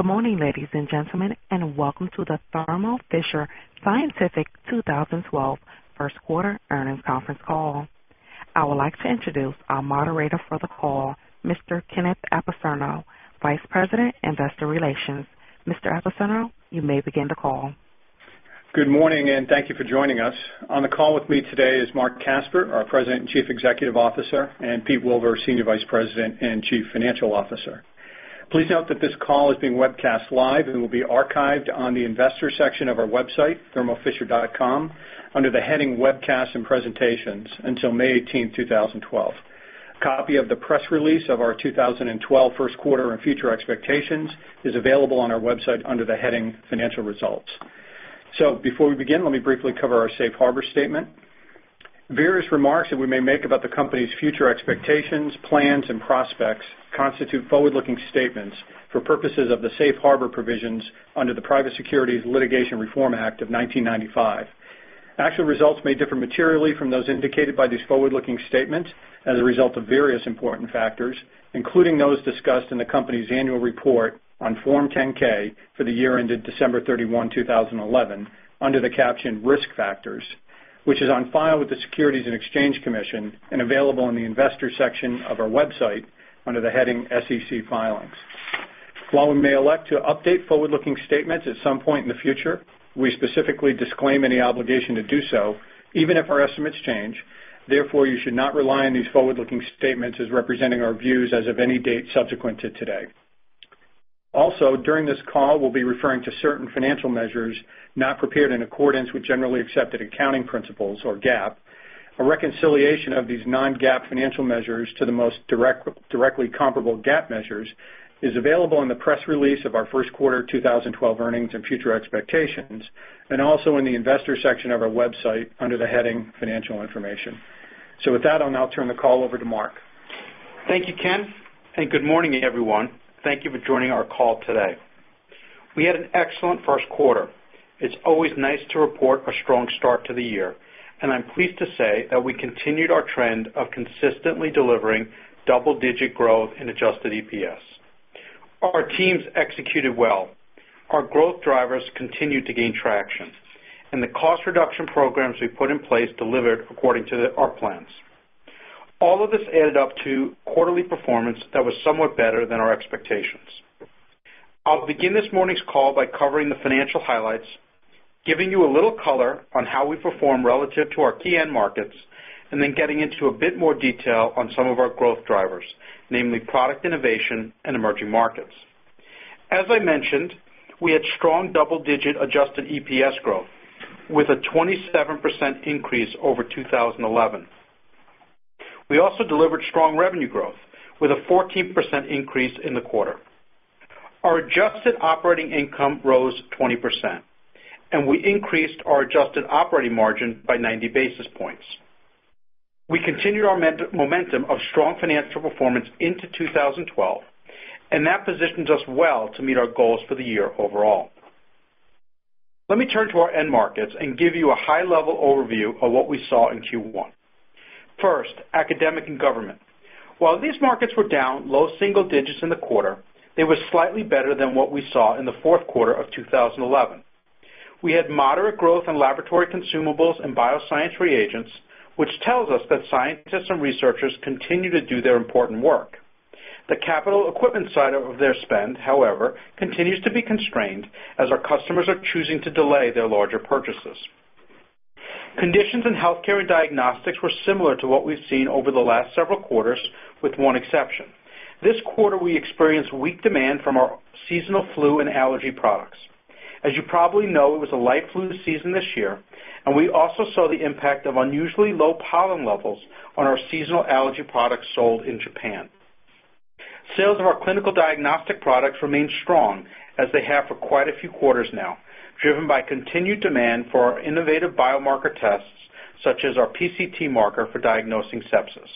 Good morning, ladies and gentlemen, and welcome to the Thermo Fisher Scientific 2012 First Quarter Earnings Conference call. I would like to introduce our moderator for the call, Mr. Kenneth Apicerno, Vice President, Investor Relations. Mr. Apicerno, you may begin the call. Good morning, and thank you for joining us. On the call with me today is Marc N. Casper, our President and Chief Executive Officer, and Peter Wilver, Senior Vice President and Chief Financial Officer. Please note that this call is being webcast live and will be archived on the Investor section of our website, thermofisher.com, under the heading "Webcast and Presentations" until May 18, 2012. A copy of the press release of our 2012 First Quarter and Future Expectations is available on our website under the heading "Financial Results." Before we begin, let me briefly cover our Safe Harbor Statement. Various remarks that we may make about the company's future expectations, plans, and prospects constitute forward-looking statements for purposes of the Safe Harbor provisions under the Private Securities Litigation Reform Act of 1995. Actual results may differ materially from those indicated by these forward-looking statements as a result of various important factors, including those discussed in the company's annual report on Form 10-K for the year ended December 31, 2011, under the caption "Risk Factors," which is on file with the Securities and Exchange Commission and available in the Investor section of our website under the heading "SEC Filings." While we may elect to update forward-looking statements at some point in the future, we specifically disclaim any obligation to do so, even if our estimates change. Therefore, you should not rely on these forward-looking statements as representing our views as of any date subsequent to today. Also, during this call, we'll be referring to certain financial measures not prepared in accordance with generally accepted accounting principles, or GAAP. A reconciliation of these non-GAAP financial measures to the most directly comparable GAAP measures is available in the press release of our First Quarter 2012 Earnings and Future Expectations, and also in the Investor section of our website under the heading "Financial Information." With that, I'll now turn the call over to Marc. Thank you, Ken, and good morning, everyone. Thank you for joining our call today. We had an excellent first quarter. It's always nice to report a strong start to the year, and I'm pleased to say that we continued our trend of consistently delivering double-digit growth in adjusted EPS. Our teams executed well. Our growth drivers continued to gain traction, and the cost reduction programs we put in place delivered according to our plans. All of this added up to quarterly performance that was somewhat better than our expectations. I'll begin this morning's call by covering the financial highlights, giving you a little color on how we perform relative to our key end markets, and then getting into a bit more detail on some of our growth drivers, namely product innovation and emerging markets. As I mentioned, we had strong double-digit adjusted EPS growth, with a 27% increase over 2011. We also delivered strong revenue growth, with a 14% increase in the quarter. Our adjusted operating income rose 20%, and we increased our adjusted operating margin by 90 basis points. We continued our momentum of strong financial performance into 2012, and that positions us well to meet our goals for the year overall. Let me turn to our end markets and give you a high-level overview of what we saw in Q1. First, academic and government. While these markets were down low single digits in the quarter, they were slightly better than what we saw in the fourth quarter of 2011. We had moderate growth in laboratory consumables and bioscience reagents, which tells us that scientists and researchers continue to do their important work. The capital equipment side of their spend, however, continues to be constrained as our customers are choosing to delay their larger purchases. Conditions in healthcare and diagnostics were similar to what we've seen over the last several quarters, with one exception. This quarter, we experienced weak demand from our seasonal flu and allergy products. As you probably know, it was a light flu season this year, and we also saw the impact of unusually low pollen levels on our seasonal allergy products sold in Japan. Sales of our clinical diagnostic products remained strong, as they have for quite a few quarters now, driven by continued demand for our innovative biomarker tests, such as our PCT marker for diagnosing sepsis.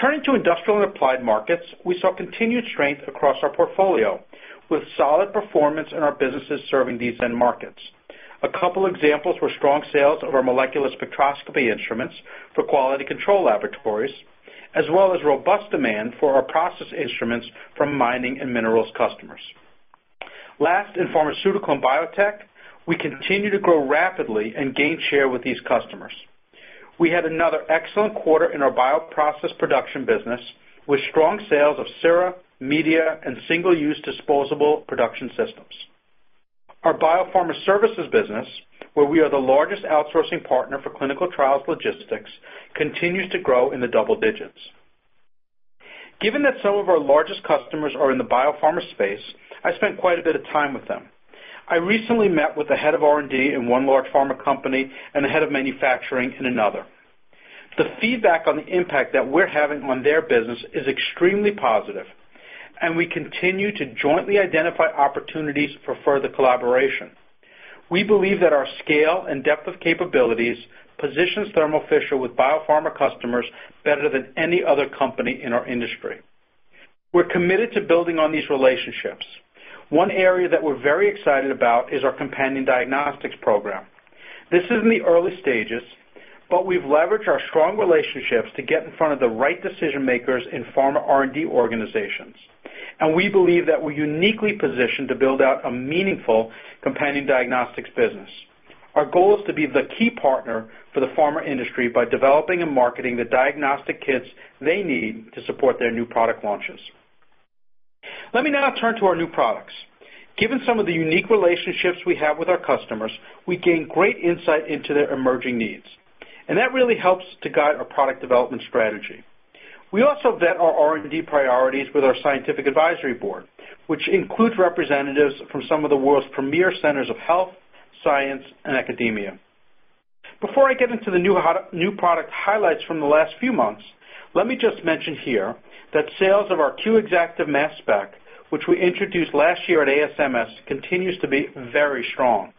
Turning to industrial and applied markets, we saw continued strength across our portfolio, with solid performance in our businesses serving these end markets. A couple of examples were strong sales of our molecular spectroscopy instruments for quality control laboratories, as well as robust demand for our process instruments from mining and minerals customers. Last, in pharmaceutical and biotech, we continue to grow rapidly and gain share with these customers. We had another excellent quarter in our bioprocess production business, with strong sales of sera, media, and single-use disposable production systems. Our biopharma services business, where we are the largest outsourcing partner for clinical trials logistics, continues to grow in the double digits. Given that some of our largest customers are in the biopharma space, I spent quite a bit of time with them. I recently met with the head of R&D in one large pharma company and the head of manufacturing in another. The feedback on the impact that we're having on their business is extremely positive, and we continue to jointly identify opportunities for further collaboration. We believe that our scale and depth of capabilities position Thermo Fisher Scientific with biopharma customers better than any other company in our industry. We're committed to building on these relationships. One area that we're very excited about is our companion diagnostics program. This is in the early stages, but we've leveraged our strong relationships to get in front of the right decision-makers in pharma R&D organizations, and we believe that we're uniquely positioned to build out a meaningful companion diagnostics business. Our goal is to be the key partner for the pharma industry by developing and marketing the diagnostic kits they need to support their new product launches. Let me now turn to our new products. Given some of the unique relationships we have with our customers, we gain great insight into their emerging needs, and that really helps to guide our product development strategy. We also vet our R&D priorities with our Scientific Advisory Board, which includes representatives from some of the world's premier centers of health, science, and academia. Before I get into the new product highlights from the last few months, let me just mention here that sales of our Q Exactive mass spec, which we introduced last year at ASMS, continue to be very strong.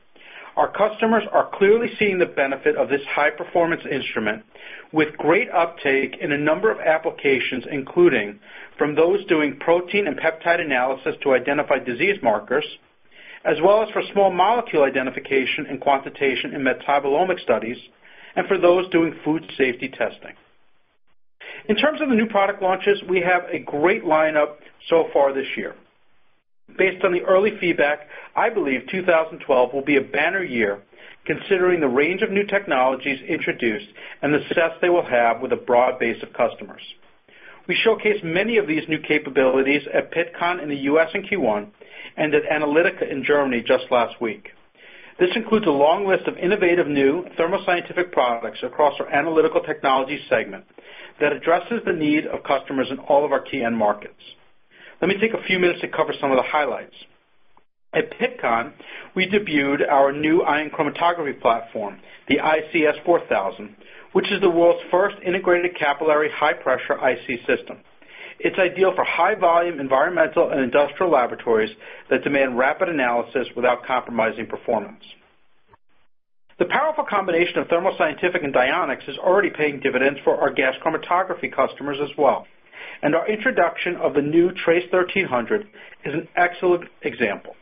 Our customers are clearly seeing the benefit of this high-performance instrument, with great uptake in a number of applications, including from those doing protein and peptide analysis to identify disease markers, as well as for small molecule identification and quantitation in metabolomic studies, and for those doing food safety testing. In terms of the new product launches, we have a great lineup so far this year. Based on the early feedback, I believe 2012 will be a banner year, considering the range of new technologies introduced and the success they will have with a broad base of customers. We showcased many of these new capabilities at PITTCON in the U.S. in Q1 and at Analytica in Germany just last week. This includes a long list of innovative new Thermo Scientific products across our analytical technology segment that addresses the needs of customers in all of our key end markets. Let me take a few minutes to cover some of the highlights. At PITTCON, we debuted our new ion chromatography platform, the ICS-4000 ion chromatography system, which is the world's first integrated capillary high-pressure IC system. It's ideal for high-volume environmental and industrial laboratories that demand rapid analysis without compromising performance. The powerful combination of Thermo Scientific and Dionex is already paying dividends for our gas chromatography customers as well, and our introduction of the new TRACE 1300 is an excellent example.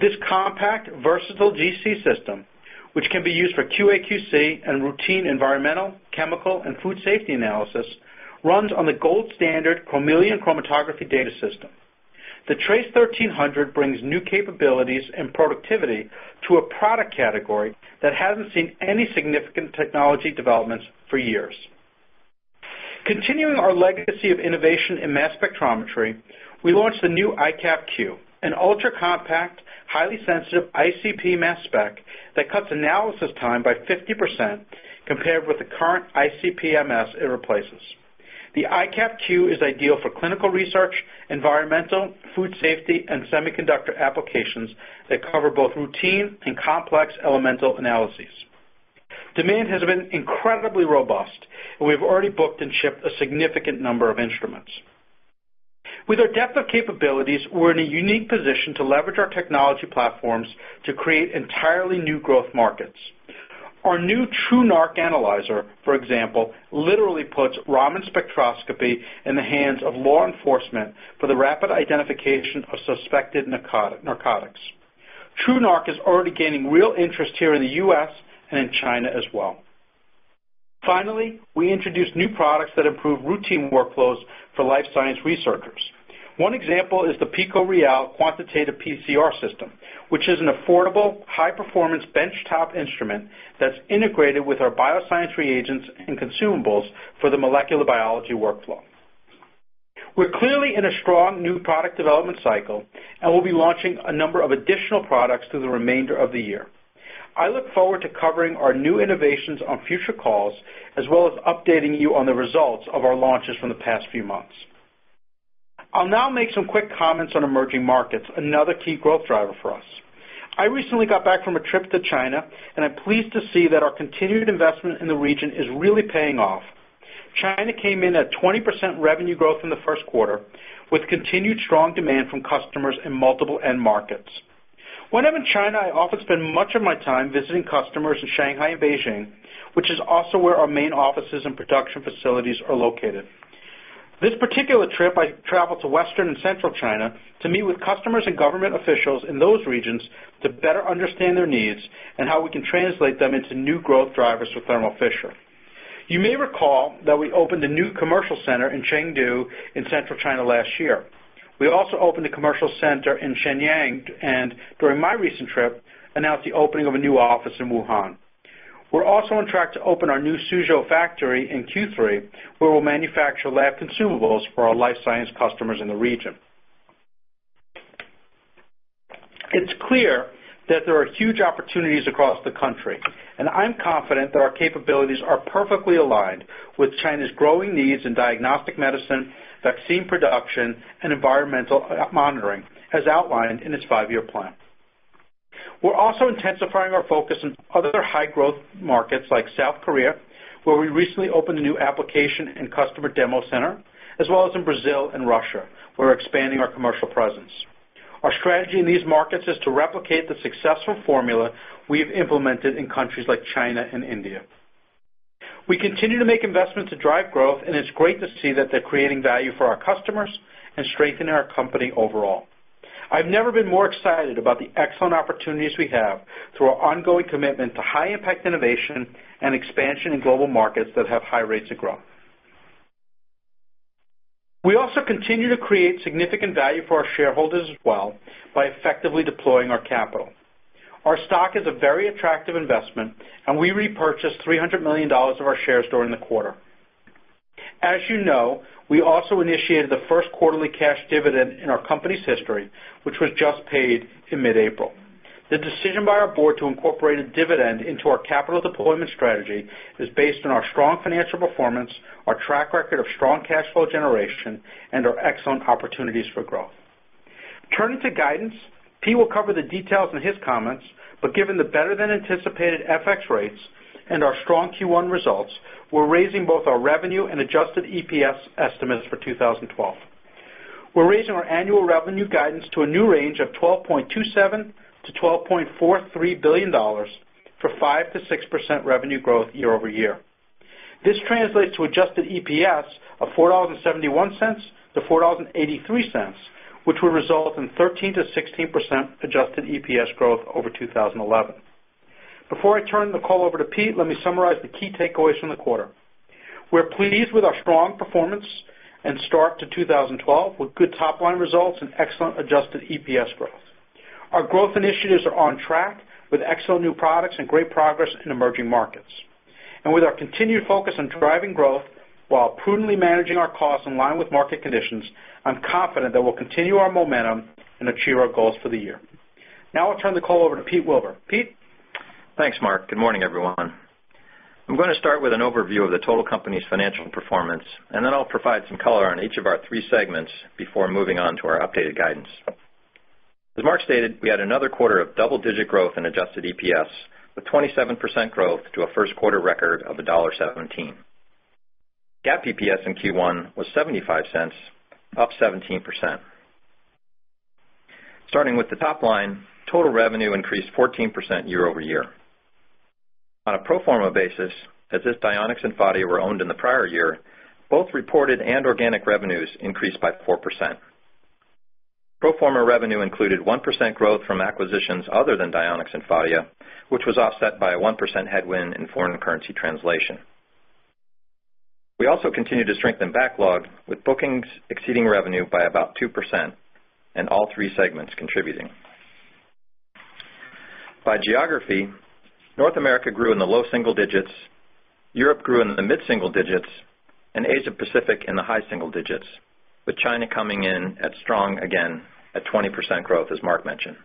This compact, versatile GC system, which can be used for QA/QC and routine environmental, chemical, and food safety analysis, runs on the gold standard Chromeleon Chromatography Data System. The TRACE 1300 brings new capabilities and productivity to a product category that hasn't seen any significant technology developments for years. Continuing our legacy of innovation in mass spectrometry, we launched the new iCAP Q, an ultra-compact, highly sensitive ICP mass spec that cuts analysis time by 50% compared with the current ICP-MS it replaces. The iCAP Q is ideal for clinical research, environmental, food safety, and semiconductor applications that cover both routine and complex elemental analyses. Demand has been incredibly robust, and we've already booked and shipped a significant number of instruments. With our depth of capabilities, we're in a unique position to leverage our technology platforms to create entirely new growth markets. Our new TruNarc analyzer, for example, literally puts Raman spectroscopy in the hands of law enforcement for the rapid identification of suspected narcotics. TruNarc is already gaining real interest here in the U.S. and in China as well. Finally, we introduced new products that improve routine workflows for life science researchers. One example is the PikoReal quantitative PCR system, which is an affordable, high-performance benchtop instrument that's integrated with our bioscience reagents and consumables for the molecular biology workflow. We're clearly in a strong new product development cycle, and we'll be launching a number of additional products through the remainder of the year. I look forward to covering our new innovations on future calls, as well as updating you on the results of our launches from the past few months. I'll now make some quick comments on emerging markets, another key growth driver for us. I recently got back from a trip to China, and I'm pleased to see that our continued investment in the region is really paying off. China came in at 20% revenue growth in the first quarter, with continued strong demand from customers in multiple end markets. When I'm in China, I often spend much of my time visiting customers in Shanghai and Beijing, which is also where our main offices and production facilities are located. This particular trip, I traveled to Western and Central China to meet with customers and government officials in those regions to better understand their needs and how we can translate them into new growth drivers for Thermo Fisher Scientific. You may recall that we opened a new commercial center in Chengdu in Central China last year. We also opened a commercial center in Shenyang, and during my recent trip, announced the opening of a new office in Wuhan. We're also on track to open our new Suzhou factory in Q3, where we'll manufacture lab consumables for our life science customers in the region. It's clear that there are huge opportunities across the country, and I'm confident that our capabilities are perfectly aligned with China's growing needs in diagnostic medicine, vaccine production, and environmental monitoring, as outlined in its five-year plan. We're also intensifying our focus in other high-growth markets like South Korea, where we recently opened a new application and customer demo center, as well as in Brazil and Russia, where we're expanding our commercial presence. Our strategy in these markets is to replicate the successful formula we've implemented in countries like China and India. We continue to make investments to drive growth, and it's great to see that they're creating value for our customers and strengthening our company overall. I've never been more excited about the excellent opportunities we have through our ongoing commitment to high-impact innovation and expansion in global markets that have high rates of growth. We also continue to create significant value for our shareholders as well by effectively deploying our capital. Our stock is a very attractive investment, and we repurchased $300 million of our shares during the quarter. As you know, we also initiated the first quarterly cash dividend in our company's history, which was just paid in mid-April. The decision by our board to incorporate a dividend into our capital deployment strategy is based on our strong financial performance, our track record of strong cash flow generation, and our excellent opportunities for growth. Turning to guidance, Pete will cover the details in his comments, but given the better-than-anticipated FX rates and our strong Q1 results, we're raising both our revenue and adjusted EPS estimates for 2012. We're raising our annual revenue guidance to a new range of $12.27-$12.43 billion for 5%-6% revenue growth year over year. This translates to adjusted EPS of $4.71-$4.83, which would result in 13%-16% adjusted EPS growth over 2011. Before I turn the call over to Pete, let me summarize the key takeaways from the quarter. We're pleased with our strong performance and start to 2012 with good top-line results and excellent adjusted EPS growth. Our growth initiatives are on track, with excellent new products and great progress in emerging markets. With our continued focus on driving growth while prudently managing our costs in line with market conditions, I'm confident that we'll continue our momentum and achieve our goals for the year. Now I'll turn the call over to Pete Wilver. Pete. Thanks, Mark. Good morning, everyone. I'm going to start with an overview of the total company's financial performance, and then I'll provide some color on each of our three segments before moving on to our updated guidance. As Mark stated, we had another quarter of double-digit growth in adjusted EPS, with 27% growth to a first-quarter record of $1.17. GAAP EPS in Q1 was $0.75, up 17%. Starting with the top line, total revenue increased 14% year over year. On a pro forma basis, as if Dionex and Phadia were owned in the prior year, both reported and organic revenues increased by 4%. Pro forma revenue included 1% growth from acquisitions other than Dionex and Phadia, which was offset by a 1% headwind in foreign currency translation. We also continued to strengthen backlog, with bookings exceeding revenue by about 2%, and all three segments contributing. By geography, North America grew in the low single digits, Europe grew in the mid-single digits, and Asia-Pacific in the high single digits, with China coming in strong, again, at 20% growth, as Mark mentioned.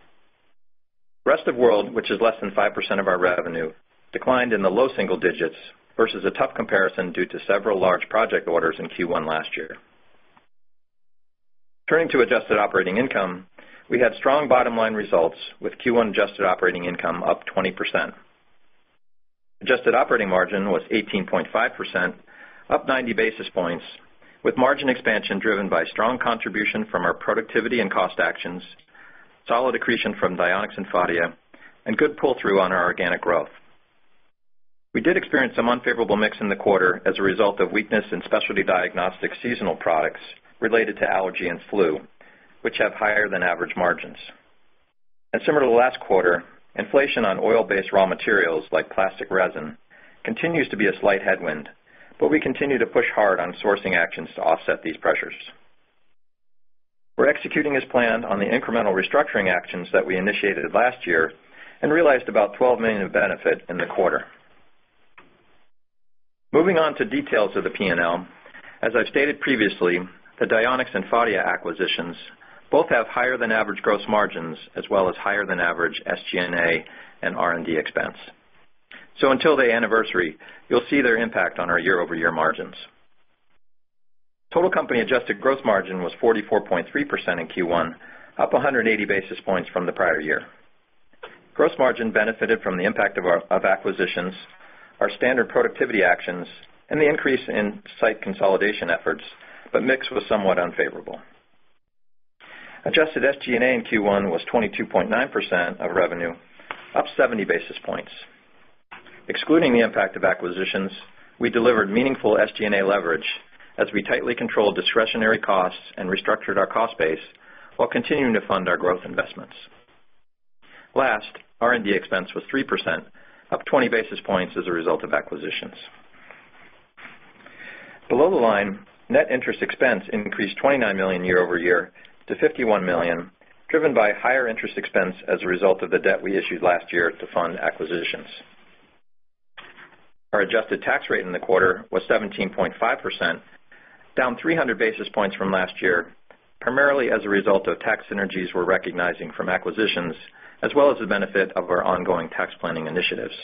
Rest of the world, which is less than 5% of our revenue, declined in the low single digits, versus a tough comparison due to several large project orders in Q1 last year. Turning to adjusted operating income, we had strong bottom-line results, with Q1 adjusted operating income up 20%. Adjusted operating margin was 18.5%, up 90 basis points, with margin expansion driven by strong contribution from our productivity and cost actions, solid accretion from Dionex and Phadia, and good pull-through on our organic growth. We did experience some unfavorable mix in the quarter as a result of weakness in specialty diagnostics seasonal products related to allergy and flu, which have higher than average margins. Similar to the last quarter, inflation on oil-based raw materials like plastic resin continues to be a slight headwind, but we continue to push hard on sourcing actions to offset these pressures. We're executing as planned on the incremental restructuring actions that we initiated last year and realized about $12 million of benefit in the quarter. Moving on to details of the P&L, as I've stated previously, the Dionex and Phadia acquisitions both have higher than average gross margins, as well as higher than average SG&A and R&D expense. Until the anniversary, you'll see their impact on our year-over-year margins. Total company adjusted gross margin was 44.3% in Q1, up 180 basis points from the prior year. Gross margin benefited from the impact of acquisitions, our standard productivity actions, and the increase in site consolidation efforts, but mix was somewhat unfavorable. Adjusted SG&A in Q1 was 22.9% of revenue, up 70 basis points. Excluding the impact of acquisitions, we delivered meaningful SG&A leverage as we tightly controlled discretionary costs and restructured our cost base while continuing to fund our growth investments. Last, R&D expense was 3%, up 20 basis points as a result of acquisitions. Below the line, net interest expense increased $29 million year over year to $51 million, driven by higher interest expense as a result of the debt we issued last year to fund acquisitions. Our adjusted tax rate in the quarter was 17.5%, down 300 basis points from last year, primarily as a result of tax synergies we're recognizing from acquisitions, as well as the benefit of our ongoing tax planning initiatives.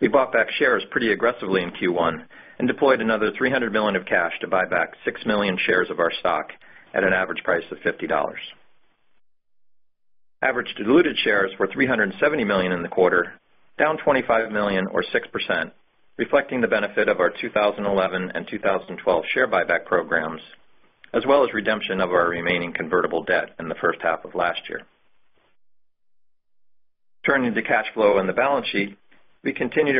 We bought back shares pretty aggressively in Q1 and deployed another $300 million of cash to buy back 6 million shares of our stock at an average price of $50. Average diluted shares were 370 million in the quarter, down 25 million or 6%, reflecting the benefit of our 2011 and 2012 share buyback programs, as well as redemption of our remaining convertible debt in the first half of last year. Turning to cash flow on the balance sheet, we continued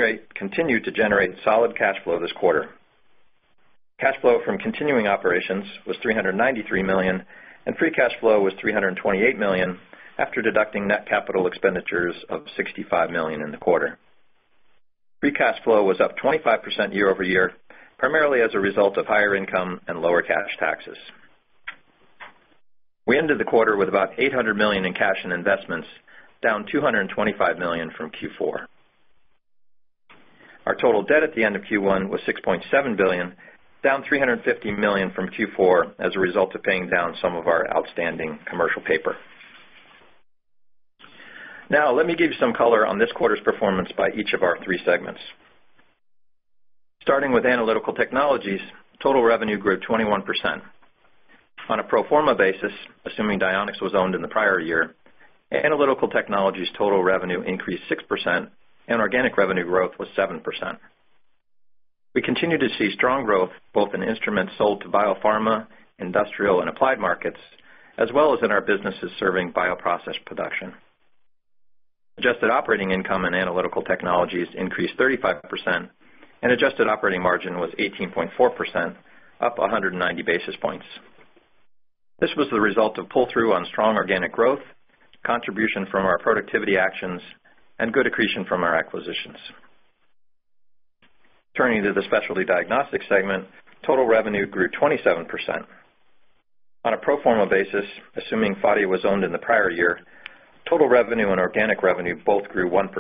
to generate solid cash flow this quarter. Cash flow from continuing operations was $393 million, and free cash flow was $328 million after deducting net capital expenditures of $65 million in the quarter. Free cash flow was up 25% year over year, primarily as a result of higher income and lower cash taxes. We ended the quarter with about $800 million in cash and investments, down $225 million from Q4. Our total debt at the end of Q1 was $6.7 billion, down $350 million from Q4 as a result of paying down some of our outstanding commercial paper. Now, let me give you some color on this quarter's performance by each of our three segments. Starting with analytical technologies, total revenue grew 21%. On a pro forma basis, assuming Dionex was owned in the prior year, analytical technologies' total revenue increased 6%, and organic revenue growth was 7%. We continue to see strong growth both in instruments sold to biopharma, industrial, and applied markets, as well as in our businesses serving bioprocess production. Adjusted operating income in Analytical Technologies increased 35%, and adjusted operating margin was 18.4%, up 190 basis points. This was the result of pull-through on strong organic growth, contribution from our productivity actions, and good accretion from our acquisitions. Turning to the Specialty Diagnostics segment, total revenue grew 27%. On a pro forma basis, assuming Phadia was owned in the prior year, total revenue and organic revenue both grew 1%.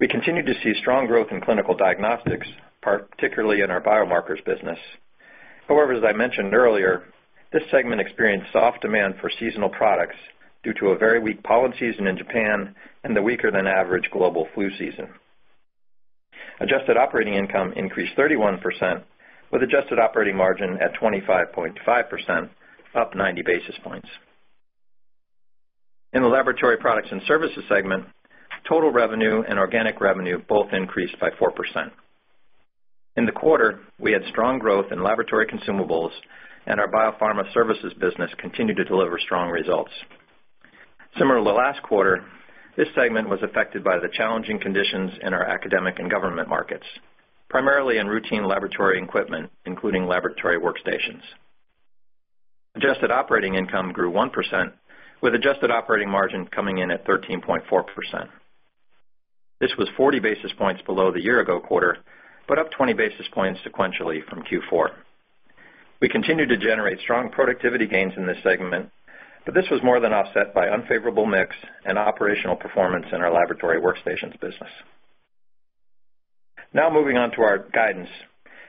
We continue to see strong growth in clinical diagnostics, particularly in our biomarkers business. However, as I mentioned earlier, this segment experienced soft demand for seasonal products due to a very weak pollen season in Japan and the weaker than average global flu season. Adjusted operating income increased 31%, with adjusted operating margin at 25.5%, up 90 basis points. In the Laboratory Products and Services segment, total revenue and organic revenue both increased by 4%. In the quarter, we had strong growth in laboratory consumables, and our biopharma services business continued to deliver strong results. Similar to the last quarter, this segment was affected by the challenging conditions in our academic and government markets, primarily in routine laboratory equipment, including laboratory workstations. Adjusted operating income grew 1%, with adjusted operating margin coming in at 13.4%. This was 40 basis points below the year-ago quarter, but up 20 basis points sequentially from Q4. We continue to generate strong productivity gains in this segment, but this was more than offset by unfavorable mix and operational performance in our laboratory workstations business. Now, moving on to our guidance.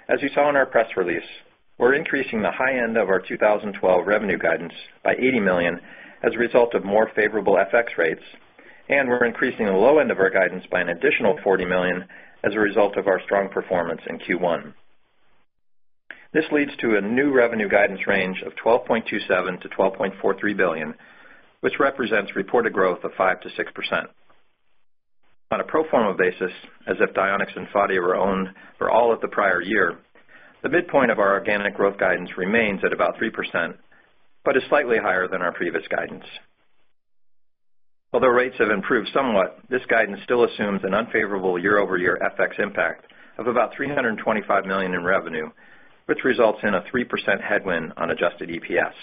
As you saw in our press release, we're increasing the high end of our 2012 revenue guidance by $80 million as a result of more favorable foreign exchange rates, and we're increasing the low end of our guidance by an additional $40 million as a result of our strong performance in Q1. This leads to a new revenue guidance range of $12.27 billion to $12.43 billion, which represents reported growth of 5%-6%. On a pro forma basis, as if Dionex and Phadia were owned for all of the prior year, the midpoint of our organic growth guidance remains at about 3%, but is slightly higher than our previous guidance. Although rates have improved somewhat, this guidance still assumes an unfavorable year-over-year foreign exchange impact of about $325 million in revenue, which results in a 3% headwind on adjusted EPS.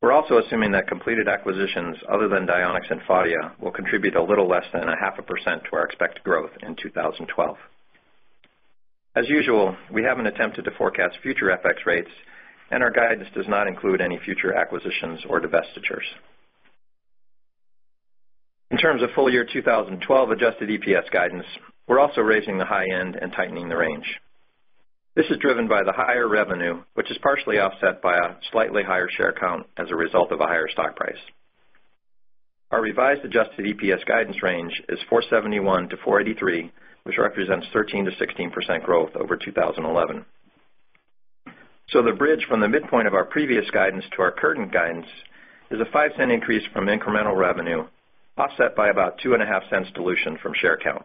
We're also assuming that completed acquisitions other than Dionex and Phadia will contribute a little less than 0.5% to our expected growth in 2012. As usual, we haven't attempted to forecast future foreign exchange rates, and our guidance does not include any future acquisitions or divestitures. In terms of full-year 2012 adjusted EPS guidance, we're also raising the high end and tightening the range. This is driven by the higher revenue, which is partially offset by a slightly higher share count as a result of a higher stock price. Our revised adjusted EPS guidance range is $4.71-$4.83, which represents 13%-16% growth over 2011. The bridge from the midpoint of our previous guidance to our current guidance is a $0.05 increase from incremental revenue, offset by about $0.025 dilution from share count.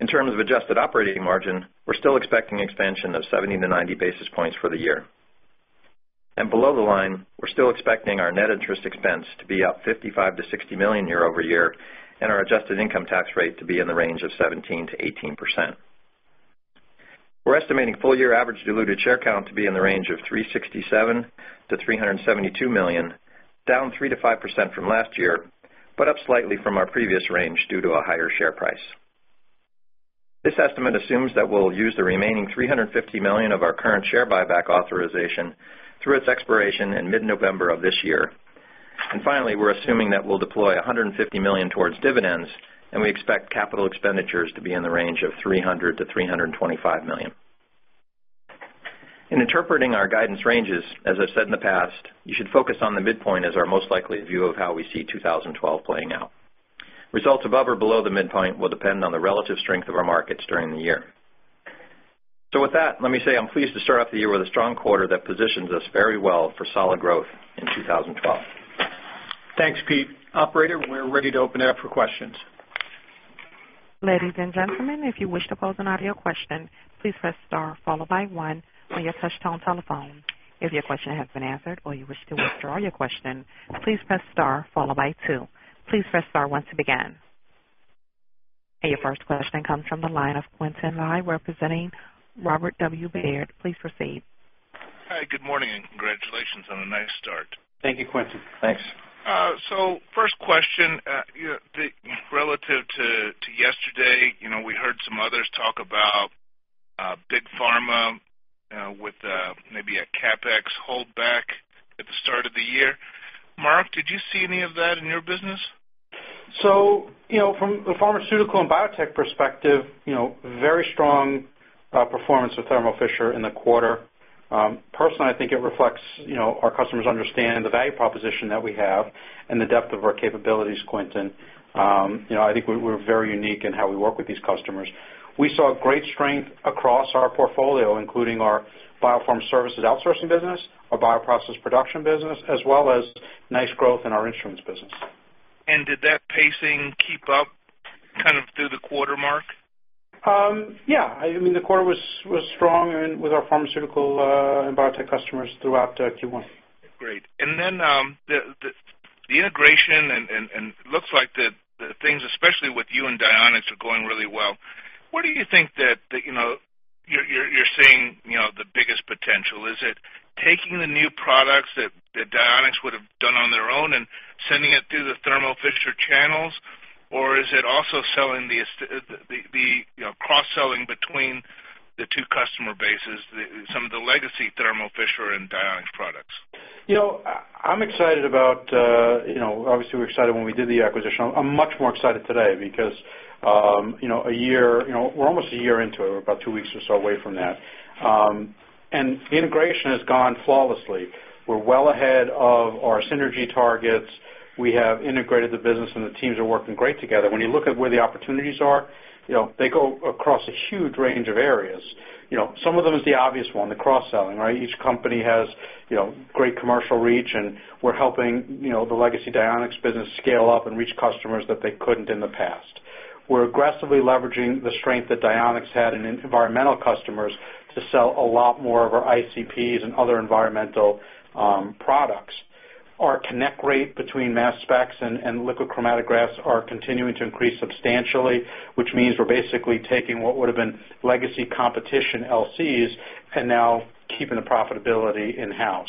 In terms of adjusted operating margin, we're still expecting expansion of 70-90 basis points for the year. Below the line, we're still expecting our net interest expense to be up $55 million-$60 million year over year, and our adjusted income tax rate to be in the range of 17%-18%. We're estimating full-year average diluted share count to be in the range of $367 million-$372 million, down 3%-5% from last year, but up slightly from our previous range due to a higher share price. This estimate assumes that we'll use the remaining $350 million of our current share buyback authorization through its expiration in mid-November of this year. Finally, we're assuming that we'll deploy $150 million towards dividends, and we expect capital expenditures to be in the range of $300 million-$325 million. In interpreting our guidance ranges, as I've said in the past, you should focus on the midpoint as our most likely view of how we see 2012 playing out. Results above or below the midpoint will depend on the relative strength of our markets during the year. With that, let me say I'm pleased to start off the year with a strong quarter that positions us very well for solid growth in 2012. Thanks, Pete. Operator, we're ready to open it up for questions. Ladies and gentlemen, if you wish to pose an audio question, please press star followed by one on your touch-tone telephone. If your question has been answered or you wish to withdraw your question, please press star followed by two. Please press star one to begin. Your first question comes from the line of Quintin J. Lai, representing Robert W. Baird. Please proceed. Hi, good morning, and congratulations on a nice start. Thank you, Quintin. Thanks. First question, relative to yesterday, we heard some others talk about big pharma with maybe a CapEx holdback at the start of the year. Mark, did you see any of that in your business? From the pharmaceutical and biotech perspective, very strong performance for Thermo Fisher Scientific in the quarter. Personally, I think it reflects our customers understand the value proposition that we have and the depth of our capabilities, Quintin. I think we're very unique in how we work with these customers. We saw great strength across our portfolio, including our biopharma services outsourcing business, our bioprocess production business, as well as nice growth in our instruments business. Did that pacing keep up kind of through the quarter, Mark? Yeah, I mean, the quarter was strong with our pharmaceutical and biotech customers throughout Q1. Great. The integration looks like things, especially with you and Dionex, are going really well. What do you think that you're seeing the biggest potential? Is it taking the new products that Dionex would have done on their own and sending it through the Thermo Fisher channels, or is it also selling the cross-selling between the two customer bases, some of the legacy Thermo Fisher and Dionex products? I'm excited about, obviously, we're excited when we did the acquisition. I'm much more excited today because we're almost a year into it. We're about two weeks or so away from that, and the integration has gone flawlessly. We're well ahead of our synergy targets. We have integrated the business, and the teams are working great together. When you look at where the opportunities are, they go across a huge range of areas. Some of them is the obvious one, the cross-selling, right? Each company has great commercial reach, and we're helping the legacy Dionex business scale up and reach customers that they couldn't in the past. We're aggressively leveraging the strength that Dionex had in environmental customers to sell a lot more of our ICPs and other environmental products. Our connect rate between mass specs and liquid chromatographs are continuing to increase substantially, which means we're basically taking what would have been legacy competition LCs and now keeping the profitability in-house.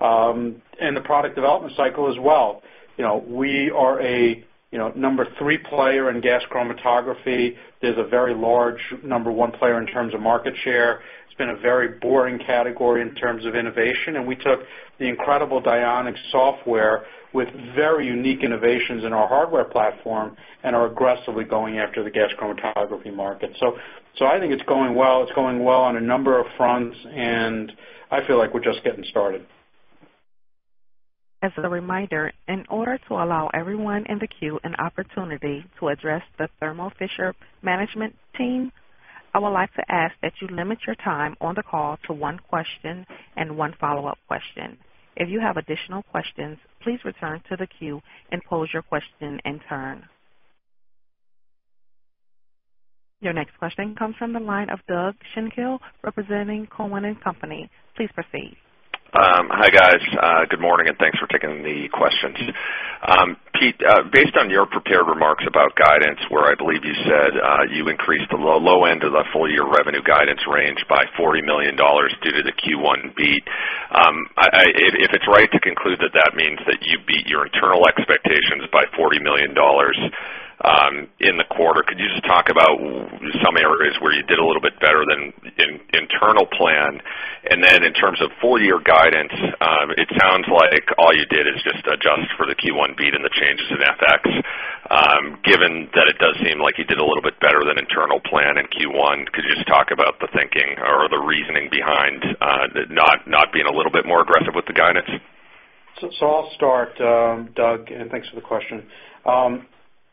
The product development cycle as well, we are a number three player in gas chromatography. They're the very large number one player in terms of market share. It's been a very boring category in terms of innovation, and we took the incredible Dionex software with very unique innovations in our hardware platform and are aggressively going after the gas chromatography market. I think it's going well. It's going well on a number of fronts, and I feel like we're just getting started. As a reminder, in order to allow everyone in the queue an opportunity to address the Thermo Fisher Scientific management team, I would like to ask that you limit your time on the call to one question and one follow-up question. If you have additional questions, please return to the queue and pose your question in turn. Your next question comes from the line of Doug Schenkel, representing Cowen and Company. Please proceed. Hi guys. Good morning, and thanks for taking the questions. Pete, based on your prepared remarks about guidance, where I believe you said you increased the low end of the full-year revenue guidance range by $40 million due to the Q1 beat, if it's right to conclude that that means that you beat your internal expectations by $40 million in the quarter, could you just talk about some areas where you did a little bit better than the internal plan? In terms of full-year guidance, it sounds like all you did is just adjust for the Q1 beat and the changes in FX. Given that it does seem like you did a little bit better than the internal plan in Q1, could you just talk about the thinking or the reasoning behind not being a little bit more aggressive with the guidance? I'll start, Doug, and thanks for the question.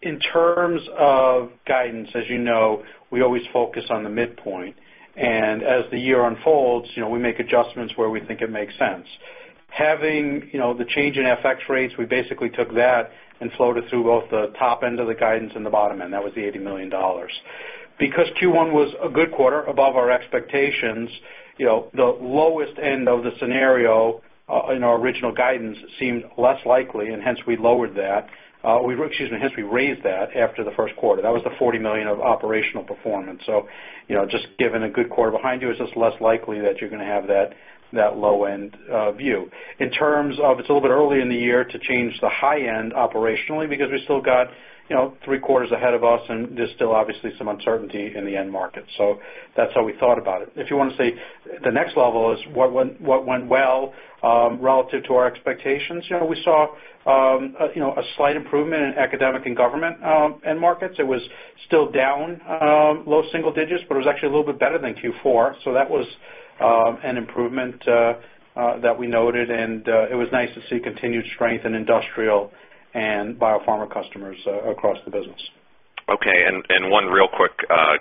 In terms of guidance, as you know, we always focus on the midpoint, and as the year unfolds, we make adjustments where we think it makes sense. Having the change in foreign exchange rates, we basically took that and flowed it through both the top end of the guidance and the bottom end. That was the $80 million. Because Q1 was a good quarter, above our expectations, the lowest end of the scenario in our original guidance seemed less likely, and hence we raised that after the first quarter. That was the $40 million of operational performance. Just given a good quarter behind you, it's just less likely that you're going to have that low-end view. In terms of, it's a little bit earlier in the year to change the high end operationally because we still got three quarters ahead of us, and there's still obviously some uncertainty in the end market. That's how we thought about it. If you want to say the next level is what went well relative to our expectations, we saw a slight improvement in academic and government end markets. It was still down low single digits, but it was actually a little bit better than Q4. That was an improvement that we noted, and it was nice to see continued strength in industrial and biopharma customers across the business. Okay, and one real quick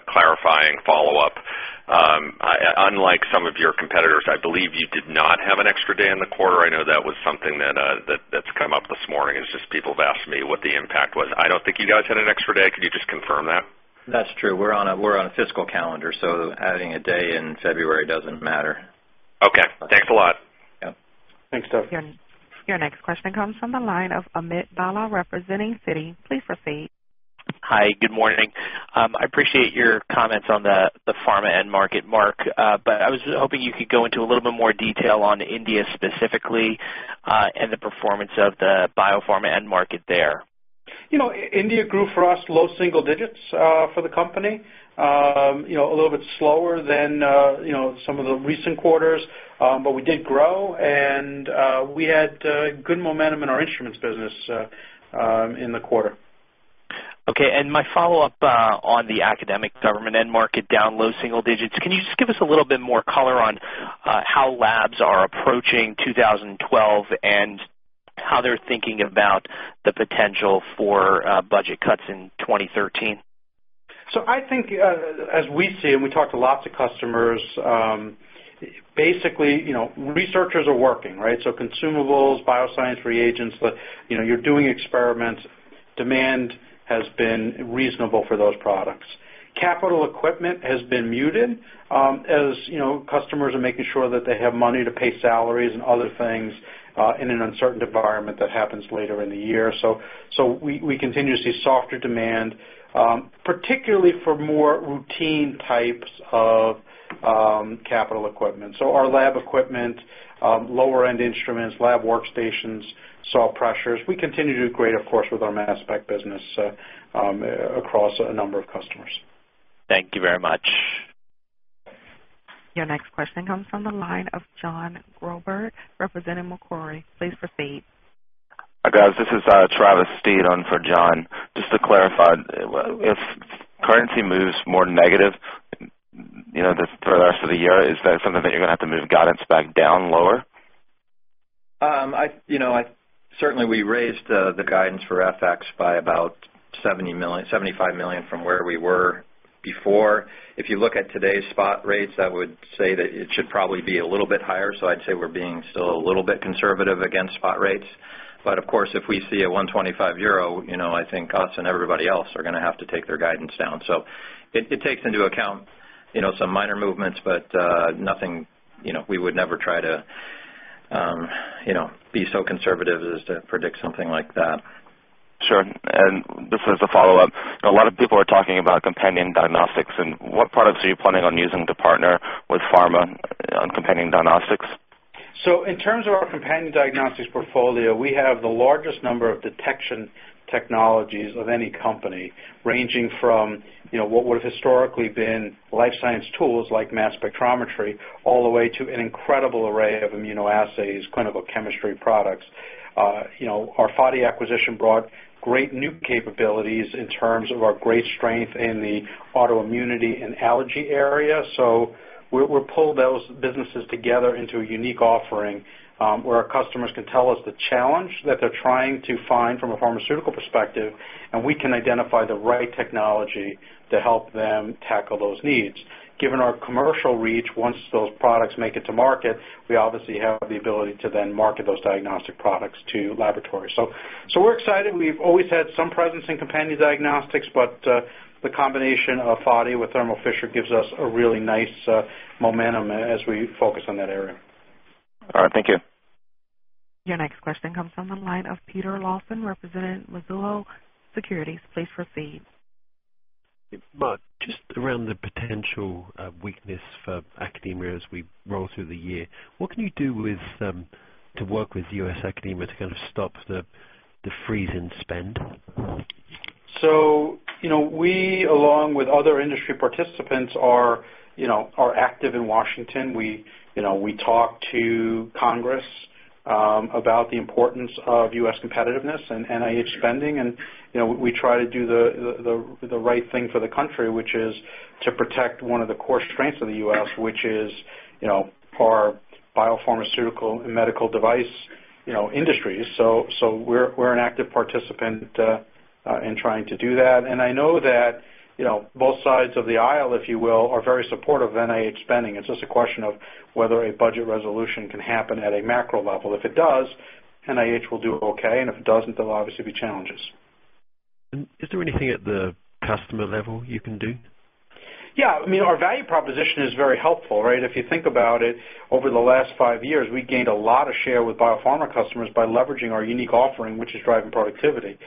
clarifying follow-up. Unlike some of your competitors, I believe you did not have an extra day in the quarter. I know that was something that's come up this morning, as people have asked me what the impact was. I don't think you guys had an extra day. Could you just confirm that? That's true. We're on a fiscal calendar, so adding a day in February doesn't matter. Okay, thanks a lot. Yep. Thanks, Doug. Your next question comes from the line of Amit Bhalla, representing Citi. Please proceed. Hi, good morning. I appreciate your comments on the pharma end market, Marc, but I was hoping you could go into a little bit more detail on India specifically and the performance of the biopharma end market there. India grew for us low single digits for the company, a little bit slower than some of the recent quarters, but we did grow, and we had good momentum in our instruments business in the quarter. Okay, and my follow-up on the academic government end market down low single digits, can you just give us a little bit more color on how labs are approaching 2012 and how they're thinking about the potential for budget cuts in 2013? I think as we see, and we talked to lots of customers, basically, you know, researchers are working, right? Consumables, bioscience reagents, you know, you're doing experiments. Demand has been reasonable for those products. Capital equipment has been muted as, you know, customers are making sure that they have money to pay salaries and other things in an uncertain environment that happens later in the year. We continue to see softer demand, particularly for more routine types of capital equipment. Our lab equipment, lower-end instruments, lab workstations, saw pressures. We continue to do great, of course, with our mass spec business across a number of customers. Thank you very much. Your next question comes from the line of Jon Groberg, representing Macquarie. Please proceed. Hi guys, this is Travis Steed on for John. Just to clarify, if currency moves more negative, you know, for the rest of the year, is that something that you're going to have to move guidance back down lower? Certainly, we raised the guidance for FX by about $75 million from where we were before. If you look at today's spot rates, I would say that it should probably be a little bit higher. I'd say we're being still a little bit conservative against spot rates. Of course, if we see a 1.25 euro, I think us and everybody else are going to have to take their guidance down. It takes into account some minor movements, but nothing. We would never try to be so conservative as to predict something like that. Sure, this is a follow-up. A lot of people are talking about companion diagnostics. What products are you planning on using to partner with pharma on companion diagnostics? In terms of our companion diagnostics portfolio, we have the largest number of detection technologies of any company, ranging from what would have historically been life science tools like mass spectrometry, all the way to an incredible array of immunoassays and clinical chemistry products. Our Phadia acquisition brought great new capabilities in terms of our great strength in the autoimmunity and allergy area. We will pull those businesses together into a unique offering where our customers can tell us the challenge that they're trying to find from a pharmaceutical perspective, and we can identify the right technology to help them tackle those needs. Given our commercial reach, once those products make it to market, we obviously have the ability to then market those diagnostic products to laboratories. We're excited. We've always had some presence in companion diagnostics, but the combination of Phadia with Thermo Fisher Scientific gives us a really nice momentum as we focus on that area. All right, thank you. Your next question comes from the line of Peter Lawson, representing Mizuho Securities. Please proceed. Around the potential weakness for academia as we roll through the year, what can you do to work with U.S. academia to kind of stop the freeze in spend? We, along with other industry participants, are active in Washington. We talk to Congress about the importance of U.S. competitiveness and NIH spending, and we try to do the right thing for the country, which is to protect one of the core strengths of the U.S., which is our biopharmaceutical and medical device industries. We're an active participant in trying to do that. I know that both sides of the aisle, if you will, are very supportive of NIH spending. It's just a question of whether a budget resolution can happen at a macro level. If it does, NIH will do okay, and if it doesn't, there'll obviously be challenges. Is there anything at the customer level you can do? Yeah, I mean, our value proposition is very helpful, right? If you think about it, over the last five years, we gained a lot of share with biopharma customers by leveraging our unique offering, which is driving productivity.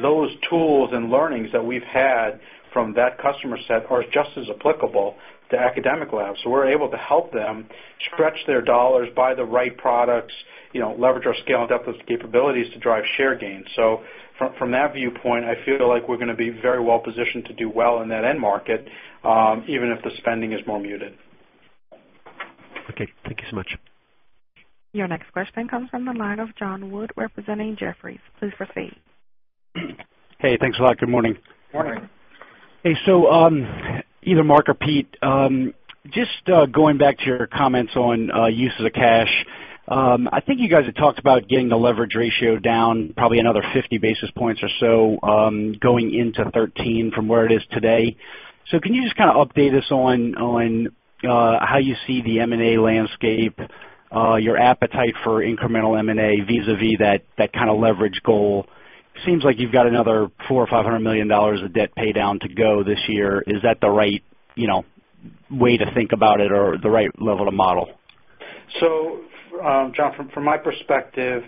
Those tools and learnings that we've had from that customer set are just as applicable to academic labs. We're able to help them stretch their dollars, buy the right products, leverage our scale and depth of capabilities to drive share gains. From that viewpoint, I feel like we're going to be very well positioned to do well in that end market, even if the spending is more muted. Okay, thank you so much. Your next question comes from the line of Jon Wood, representing Jefferies. Please proceed. Hey, thanks a lot. Good morning. Hey, either Marc or Peter, just going back to your comments on uses of cash, I think you guys had talked about getting the leverage ratio down probably another 50 basis points or so, going into 2013 from where it is today. Can you just kind of update us on how you see the M&A landscape, your appetite for incremental M&A vis-à-vis that kind of leverage goal? It seems like you've got another $400 or $500 million of debt paydown to go this year. Is that the right way to think about it or the right level to model? From my perspective,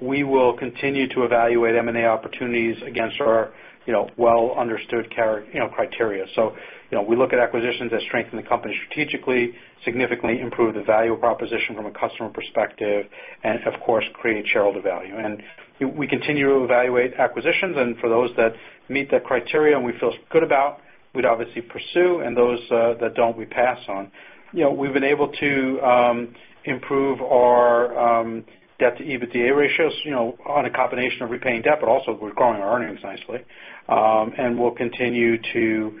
we will continue to evaluate M&A opportunities against our well-understood criteria. We look at acquisitions that strengthen the company strategically, significantly improve the value proposition from a customer perspective, and of course, create shareholder value. We continue to evaluate acquisitions, and for those that meet that criteria and we feel good about, we'd obviously pursue, and those that don't, we pass on. We've been able to improve our debt to EBITDA ratios on a combination of repaying debt, but also we're growing our earnings nicely. We'll continue to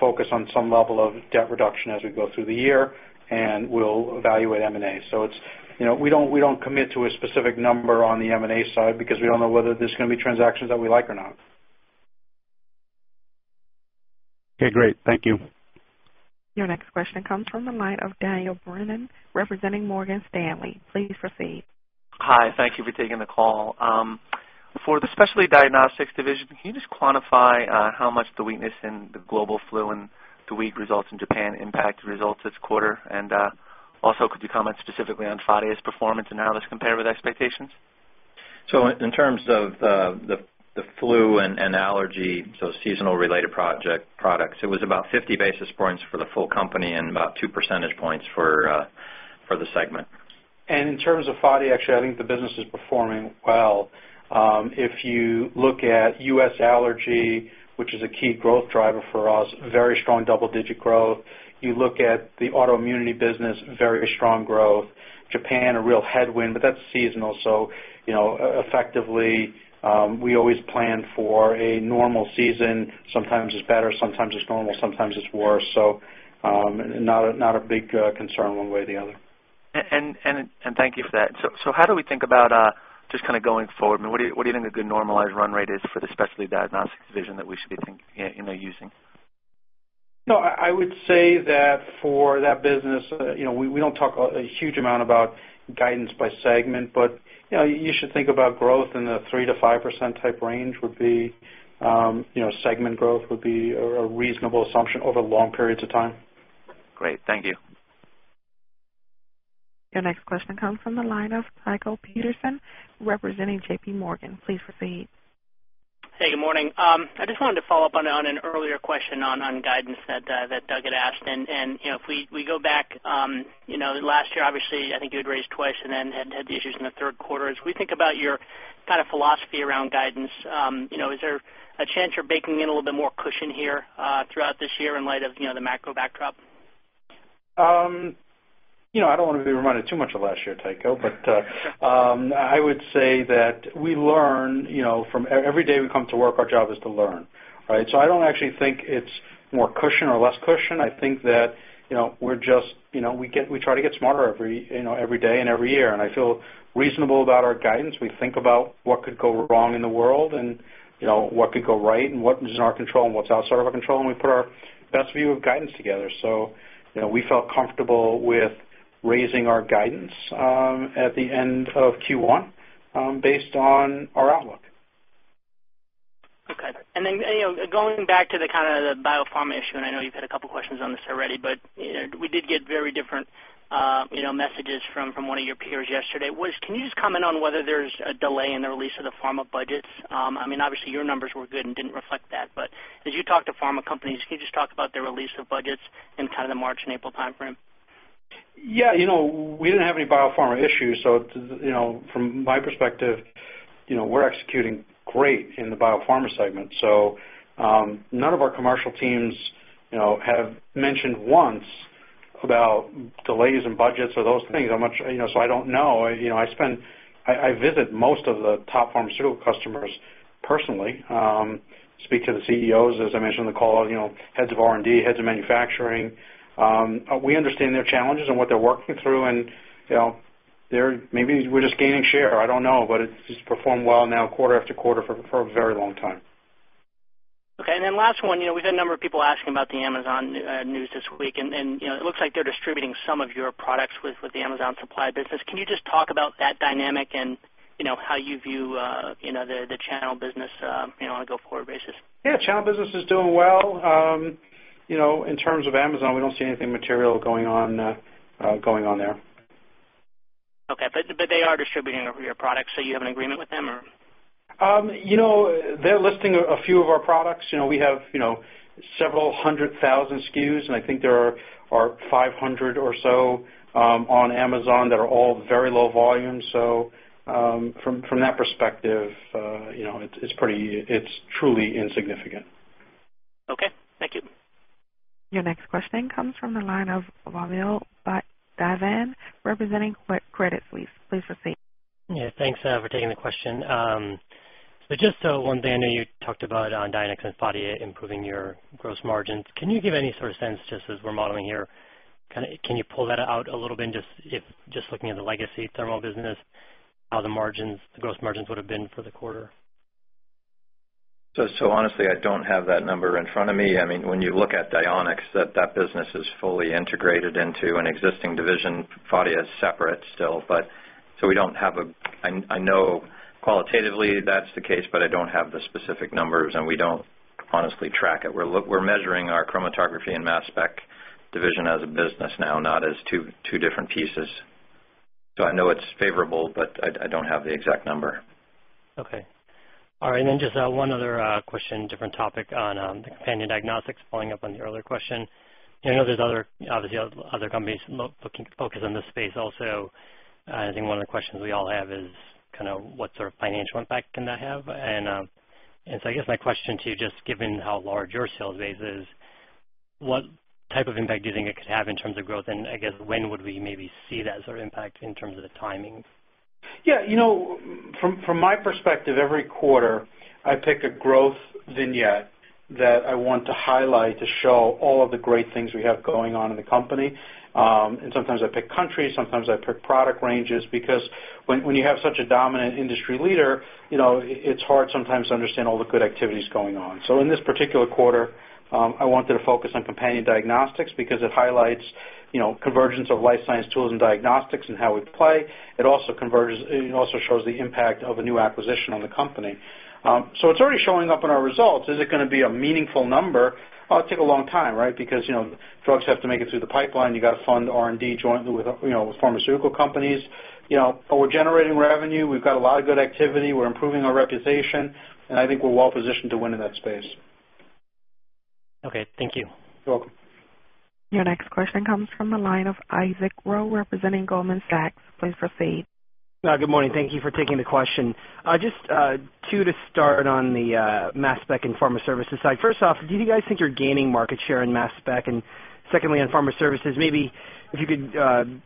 focus on some level of debt reduction as we go through the year, and we'll evaluate M&A. We don't commit to a specific number on the M&A side because we don't know whether there's going to be transactions that we like or not. Okay, great. Thank you. Your next question comes from the line of Daniel Brennan, representing Morgan Stanley. Please proceed. Hi, thank you for taking the call. For the Specialty Diagnostics division, can you just quantify how much the weakness in the global flu and the weak results in Japan impact the results this quarter? Also, could you comment specifically on Phadia's performance analysis compared with expectations? In terms of the flu and allergy, seasonal-related products, it was about 50 basis points for the full company and about 2% for the segment. In terms of Phadia, actually, I think the business is performing well. If you look at U.S. allergy, which is a key growth driver for us, very strong double-digit growth. You look at the autoimmunity business, very strong growth. Japan, a real headwind, but that's seasonal. Effectively, we always plan for a normal season. Sometimes it's better, sometimes it's normal, sometimes it's worse. Not a big concern one way or the other. Thank you for that. How do we think about just kind of going forward? What do you think a good normalized run rate is for the specialty diagnostics division that we should be thinking of using? No, I would say that for that business, we don't talk a huge amount about guidance by segment, but you should think about growth in the 3%-5% type range. Segment growth would be a reasonable assumption over long periods of time. Great, thank you. Your next question comes from the line of Tycho Peterson, representing JP Morgan. Please proceed. Hey, good morning. I just wanted to follow up on an earlier question on guidance that Doug had asked. If we go back, last year, obviously, I think you had raised twice and then had issues in the third quarter. As we think about your kind of philosophy around guidance, is there a chance you're baking in a little bit more cushion here throughout this year in light of the macro backdrop? I don't want to be reminded too much of last year, Tycho, but I would say that we learn from every day we come to work. Our job is to learn, right? I don't actually think it's more cushion or less cushion. I think that we just try to get smarter every day and every year. I feel reasonable about our guidance. We think about what could go wrong in the world, what could go right, what is in our control, and what's outside of our control, and we put our best view of guidance together. We felt comfortable with raising our guidance at the end of Q1 based on our outlook. Okay, going back to the kind of the biopharma issue, I know you've had a couple of questions on this already, but we did get very different messages from one of your peers yesterday. Can you just comment on whether there's a delay in the release of the pharma budgets? I mean, obviously, your numbers were good and didn't reflect that, but as you talk to pharma companies, can you just talk about the release of budgets in kind of the March and April timeframe? Yeah, we didn't have any biopharma issues. From my perspective, we're executing great in the biopharma segment. None of our commercial teams have mentioned once about delays in budgets or those things. I'm not, I don't know. I visit most of the top pharmaceutical customers personally, speak to the CEOs, as I mentioned in the call, heads of R&D, heads of manufacturing. We understand their challenges and what they're working through, and maybe we're just gaining share. I don't know, but it's just performed well now quarter after quarter for a very long time. Okay, and then last one, we've had a number of people asking about the Amazon news this week, and it looks like they're distributing some of your products with the Amazon supply business. Can you just talk about that dynamic and how you view the channel business on a go-forward basis? Yeah, channel business is doing well. In terms of Amazon, we don't see anything material going on there. Okay, they are distributing your products. You have an agreement with them, or? They're listing a few of our products. We have several hundred thousand SKUs, and I think there are 500 or so on Amazon that are all very low volume. From that perspective, it's pretty, it's truly insignificant. Okay, thank you. Your next question comes from the line of Vamil Divan, representing Crédit Suisse. Please proceed. Yeah, thanks for taking the question. Just one thing, I know you talked about Dionex and Phadia improving your gross margins. Can you give any sort of sense, just as we're modeling here, can you pull that out a little bit, just looking at the legacy Thermo business, how the margins, the gross margins would have been for the quarter? Honestly, I don't have that number in front of me. I mean, when you look at Dionex, that business is fully integrated into an existing division. Phadia is separate still, but we don't have a, I know qualitatively that's the case, but I don't have the specific numbers, and we don't honestly track it. We're measuring our chromatography and mass spec division as a business now, not as two different pieces. I know it's favorable, but I don't have the exact number. All right, and then just one other question, different topic on the companion diagnostics, following up on the earlier question. I know there's other, obviously, other companies focused on this space also. I think one of the questions we all have is kind of what sort of financial impact can that have? I guess my question to you, just given how large your sales base is, what type of impact do you think it could have in terms of growth? I guess when would we maybe see that sort of impact in terms of the timing? Yeah, you know, from my perspective, every quarter I pick a growth vignette that I want to highlight to show all of the great things we have going on in the company. Sometimes I pick countries, sometimes I pick product ranges, because when you have such a dominant industry leader, you know, it's hard sometimes to understand all the good activities going on. In this particular quarter, I wanted to focus on companion diagnostics because it highlights, you know, convergence of life science tools and diagnostics and how we play. It also shows the impact of a new acquisition on the company. It's already showing up in our results. Is it going to be a meaningful number? It'll take a long time, right? Because, you know, drugs have to make it through the pipeline. You've got to fund R&D jointly with, you know, pharmaceutical companies. We're generating revenue. We've got a lot of good activity. We're improving our reputation. I think we're well positioned to win in that space. Okay, thank you. You're welcome. Your next question comes from the line of Isaac Ro, representing Goldman Sachs. Please proceed. Good morning. Thank you for taking the question. Just two to start on the mass spec and pharma services side. First off, do you guys think you're gaining market share in mass spec, and secondly in pharma services? Maybe if you could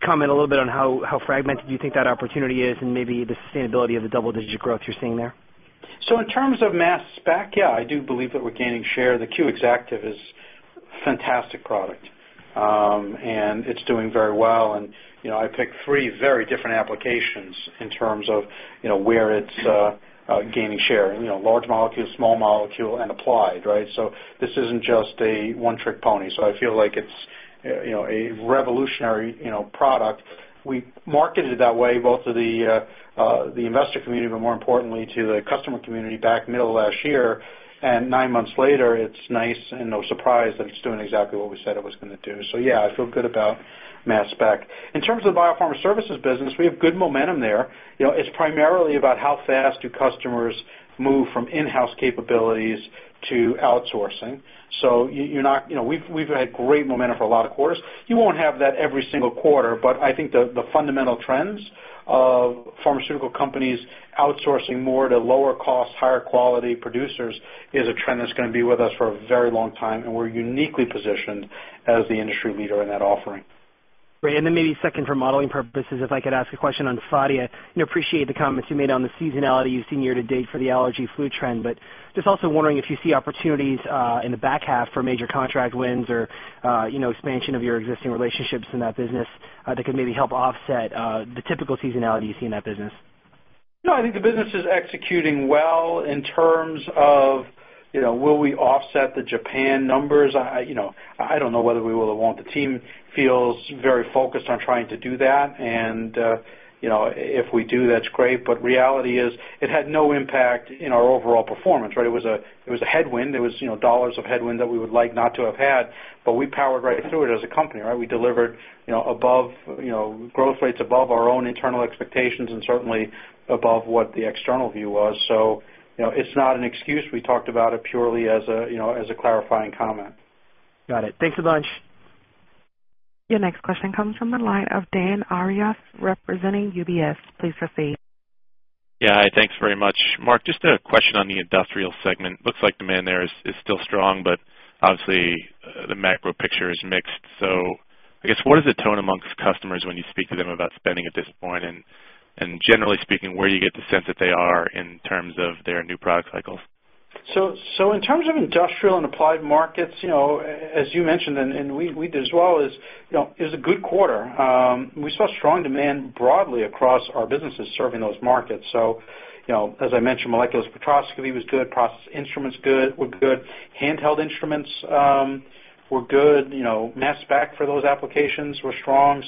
comment a little bit on how fragmented you think that opportunity is, and maybe the sustainability of the double-digit growth you're seeing there. In terms of mass spec, yeah, I do believe that we're gaining share. The Q Exactive is a fantastic product, and it's doing very well. I picked three very different applications in terms of where it's gaining share: large molecule, small molecule, and applied, right? This isn't just a one-trick pony. I feel like it's a revolutionary product. We marketed it that way both to the investor community, but more importantly to the customer community back in the middle of last year. Nine months later, it's nice and no surprise that it's doing exactly what we said it was going to do. Yeah, I feel good about mass spec. In terms of the biopharma services business, we have good momentum there. It's primarily about how fast customers move from in-house capabilities to outsourcing. We've had great momentum for a lot of quarters. You won't have that every single quarter, but I think the fundamental trends of pharmaceutical companies outsourcing more to lower cost, higher quality producers is a trend that's going to be with us for a very long time. We're uniquely positioned as the industry leader in that offering. Great, and then maybe second for modeling purposes, if I could ask a question on Phadia. I appreciate the comments you made on the seasonality you've seen year to date for the allergy flu trend, but just also wondering if you see opportunities in the back half for major contract wins or, you know, expansion of your existing relationships in that business that could maybe help offset the typical seasonality you see in that business. No, I think the business is executing well in terms of, you know, will we offset the Japan numbers? I don't know whether we will or won't. The team feels very focused on trying to do that. If we do, that's great. The reality is it had no impact in our overall performance, right? It was a headwind. It was dollars of headwind that we would like not to have had, but we powered right through it as a company, right? We delivered growth rates above our own internal expectations and certainly above what the external view was. It's not an excuse. We talked about it purely as a clarifying comment. Got it. Thanks a bunch. Your next question comes from the line of Dan Arias, representing UBS. Please proceed. Hi, thanks very much. Marc, just a question on the industrial segment. Looks like demand there is still strong, but obviously the macro picture is mixed. I guess what is the tone amongst customers when you speak to them about spending at this point? Generally speaking, where do you get the sense that they are in terms of their new product cycles? In terms of industrial and applied markets, as you mentioned and we did as well, it was a good quarter. We saw strong demand broadly across our businesses serving those markets. As I mentioned, molecular spectroscopy was good. Process instruments were good. Handheld instruments were good. Mass spec for those applications was strong.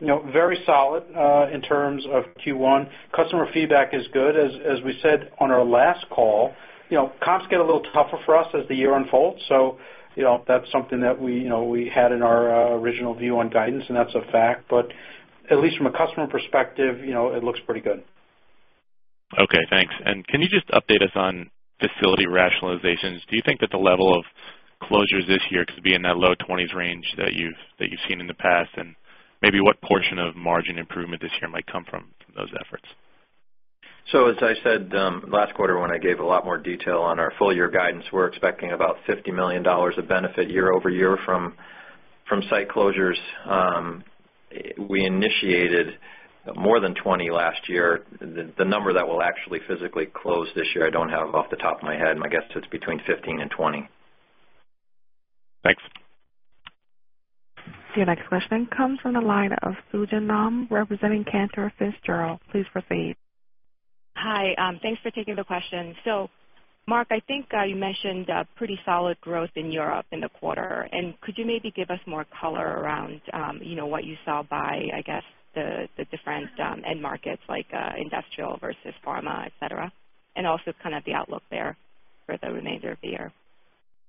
Very solid in terms of Q1. Customer feedback is good. As we said on our last call, comps get a little tougher for us as the year unfolds. That is something that we had in our original view on guidance, and that's a fact. At least from a customer perspective, it looks pretty good. Okay, thanks. Can you just update us on facility rationalizations? Do you think that the level of closures this year could be in that low 20s range that you've seen in the past? Maybe what portion of margin improvement this year might come from those efforts? As I said last quarter when I gave a lot more detail on our full-year guidance, we're expecting about $50 million of benefit year over year from site closures. We initiated more than 20 last year. The number that we'll actually physically close this year, I don't have off the top of my head. My guess is it's between 15 and 20. Thanks. Your next question comes from the line of Sung Ji Nam, representing Cantor Fitzgerald. Please proceed. Hi, thanks for taking the question. Marc, I think you mentioned pretty solid growth in Europe in the quarter. Could you maybe give us more color around what you saw by the different end markets like industrial versus pharma, etc., and also the outlook there for the remainder of the year?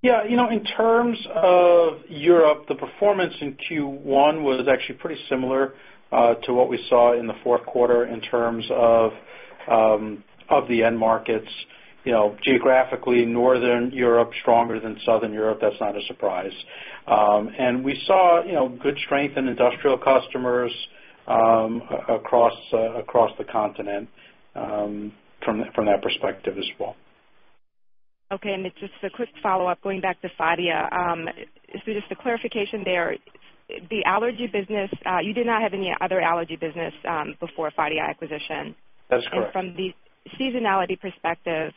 Yeah, you know, in terms of Europe, the performance in Q1 was actually pretty similar to what we saw in the fourth quarter in terms of the end markets. Geographically, Northern Europe is stronger than Southern Europe. That's not a surprise. We saw good strength in industrial customers across the continent from that perspective as well. Okay, and just a quick follow-up going back to Phadia. Just a clarification there, the allergy business, you did not have any other allergy business before the Phadia acquisition. That is correct. From the seasonality perspective,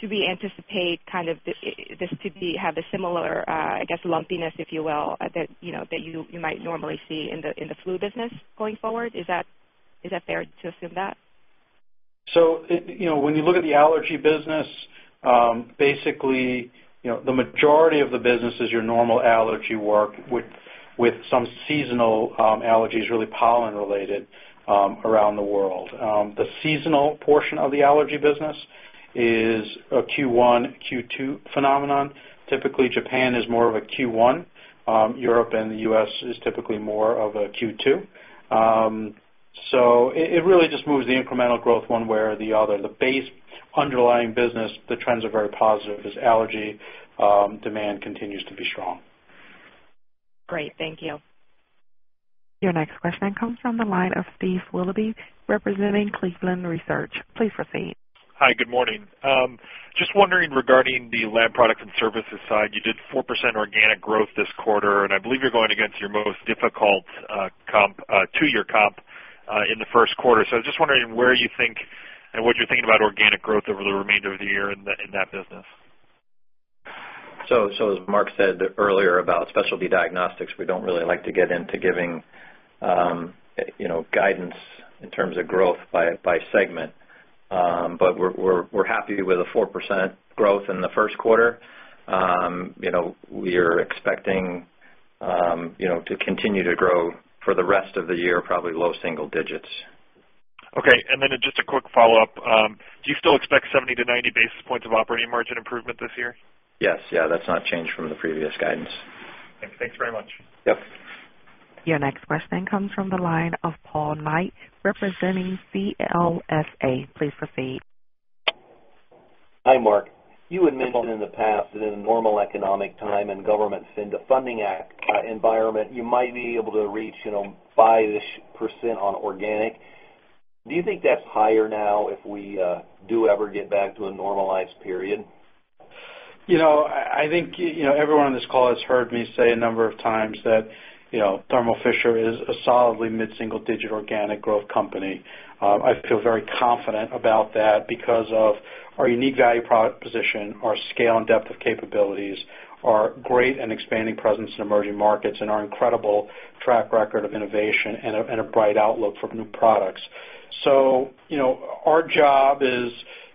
should we anticipate this to have a similar, I guess, lumpiness, if you will, that you might normally see in the flu business going forward? Is that fair to assume? When you look at the allergy business, basically, the majority of the business is your normal allergy work with some seasonal allergies, really pollen-related, around the world. The seasonal portion of the allergy business is a Q1-Q2 phenomenon. Typically, Japan is more of a Q1. Europe and the U.S. are typically more of a Q2. It really just moves the incremental growth one way or the other. The base underlying business, the trends are very positive as allergy demand continues to be strong. Great, thank you. Your next question comes from the line of Steve Willoughby, representing Cleveland Research. Please proceed. Hi, good morning. Just wondering regarding the lab products and services side, you did 4% organic growth this quarter, and I believe you're going against your most difficult two-year comp in the first quarter. I was just wondering where you think and what you're thinking about organic growth over the remainder of the year in that business? As Marc said earlier about specialty diagnostics, we don't really like to get into giving guidance in terms of growth by segment. We're happy with the 4% growth in the first quarter. We are expecting to continue to grow for the rest of the year, probably low single digits. Okay, and then just a quick follow-up. Do you still expect 70-90 basis points of operating margin improvement this year? Yes, that's not changed from the previous guidance. Thanks very much. Yep. Your next question comes from the line of Paul Knight, representing CLSA. Please proceed. Hi Marc. You had mentioned in the past that in a normal economic time and government funding environment, you might be able to reach, you know, 5% on organic. Do you think that's higher now if we do ever get back to a normalized period? I think everyone on this call has heard me say a number of times that Thermo Fisher Scientific is a solidly mid-single-digit organic growth company. I feel very confident about that because of our unique value proposition, our scale and depth of capabilities, our great and expanding presence in emerging markets, and our incredible track record of innovation and a bright outlook for new products. Our job is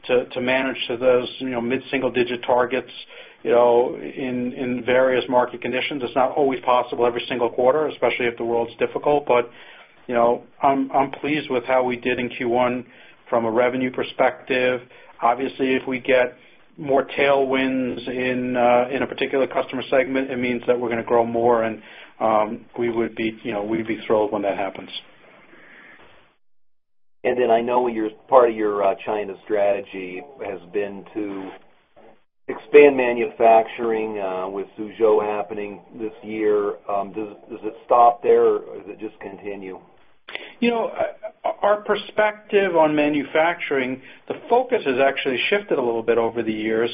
to manage to those mid-single-digit targets in various market conditions. It's not always possible every single quarter, especially if the world's difficult. I'm pleased with how we did in Q1 from a revenue perspective. Obviously, if we get more tailwinds in a particular customer segment, it means that we're going to grow more, and we'd be thrilled when that happens. I know part of your China strategy has been to expand manufacturing with Zhuzhou happening this year. Does it stop there, or does it just continue? Our perspective on manufacturing, the focus has actually shifted a little bit over the years.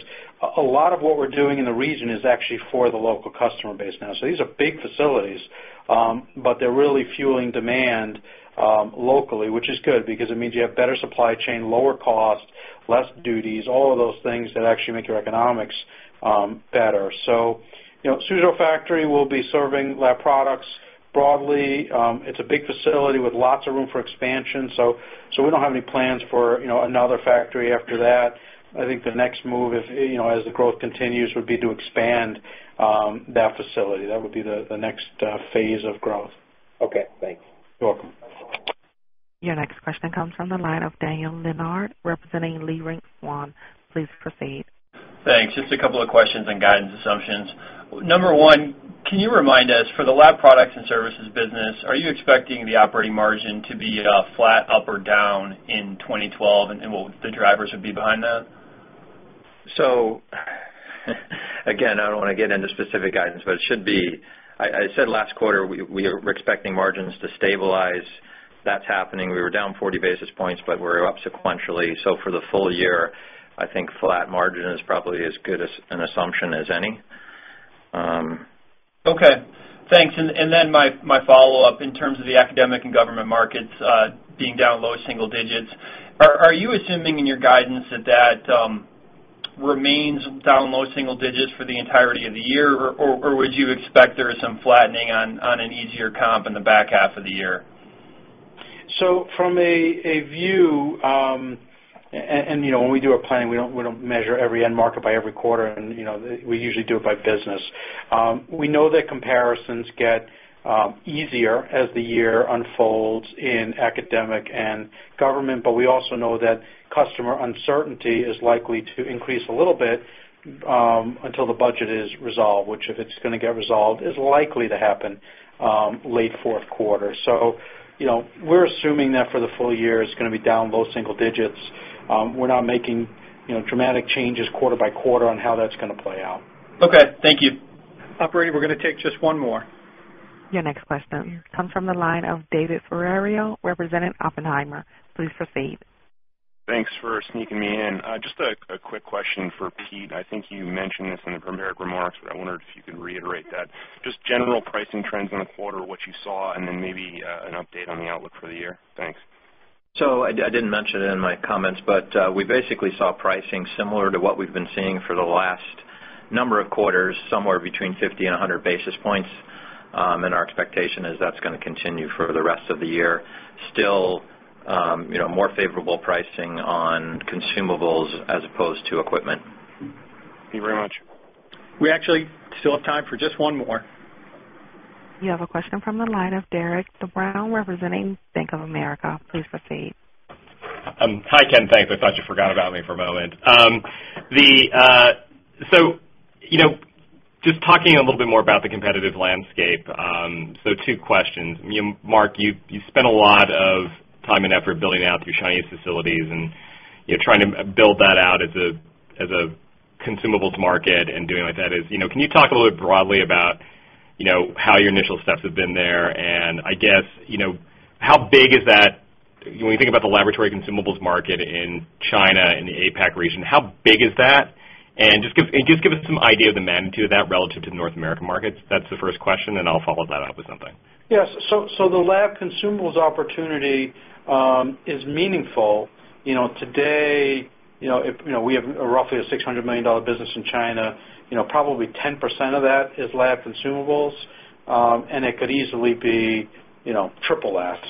A lot of what we're doing in the region is actually for the local customer base now. These are big facilities, but they're really fueling demand locally, which is good because it means you have better supply chain, lower costs, less duties, all of those things that actually make your economics better. The Zhuzhou factory will be serving lab products broadly. It's a big facility with lots of room for expansion. We don't have any plans for another factory after that. I think the next move, as the growth continues, would be to expand that facility. That would be the next phase of growth. Okay, thanks. You're welcome. Your next question comes from the line of Dan Leonard, representing Leerink Swann. Please proceed. Thanks. Just a couple of questions on guidance assumptions. Number one, can you remind us for the lab products and services business, are you expecting the operating margin to be flat, up, or down in 2012, and what the drivers would be behind that? I don't want to get into specific guidance, but it should be. I said last quarter we were expecting margins to stabilize. That's happening. We were down 40 basis points, but we're up sequentially. For the full year, I think flat margin is probably as good an assumption as any. Okay, thanks. My follow-up in terms of the academic and government markets being down low single digits, are you assuming in your guidance that that remains down low single digits for the entirety of the year, or would you expect there is some flattening on an easier comp in the back half of the year? From a view, when we do our planning, we don't measure every end market by every quarter, and we usually do it by business. We know that comparisons get easier as the year unfolds in academic and government, but we also know that customer uncertainty is likely to increase a little bit until the budget is resolved, which, if it's going to get resolved, is likely to happen late fourth quarter. We're assuming that for the full year it's going to be down low single digits. We're not making dramatic changes quarter by quarter on how that's going to play out. Okay, thank you. Operator, we're going to take just one more. Your next question comes from the line of David Ferreiro, representing Oppenheimer. Please proceed. Thanks for sneaking me in. Just a quick question for Pete. I think you mentioned this in the premier remarks, but I wondered if you could reiterate that. Just general pricing trends in the quarter, what you saw, and then maybe an update on the outlook for the year. Thanks. I didn't mention it in my comments, but we basically saw pricing similar to what we've been seeing for the last number of quarters, somewhere between 50 and 100 basis points. Our expectation is that's going to continue for the rest of the year. Still, you know, more favorable pricing on consumables as opposed to equipment. Thank you very much. We actually still have time for just one more. You have a question from the line of Derek De Vries, representing Bank of America. Please proceed. Hi, Ken. Thanks. I thought you forgot about me for a moment. Just talking a little bit more about the competitive landscape. Two questions. Marc, you spent a lot of time and effort building out these Chinese facilities and trying to build that out as a consumables market and doing like that. Can you talk a little bit broadly about how your initial steps have been there? I guess, how big is that when you think about the laboratory consumables market in China and the APAC region? How big is that? Just give us some idea of the magnitude of that relative to the North American markets. That's the first question, and I'll follow that up with something. Yes, the lab consumables opportunity is meaningful. Today, we have roughly a $600 million business in China. Probably 10% of that is lab consumables, and it could easily be triple that